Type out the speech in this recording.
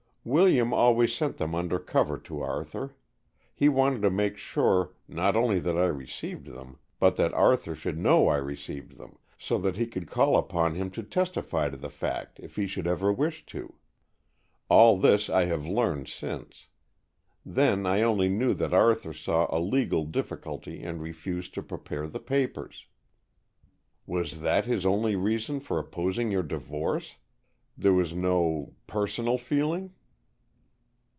"William always sent them under cover to Arthur. He wanted to make sure, not only that I received them, but that Arthur should know I received them, so that he could call upon him to testify to the fact if he should ever wish to. All this I have learned since. Then I only knew that Arthur saw a legal difficulty and refused to prepare the papers." "Was that his only reason for opposing your divorce? There was no personal feeling?"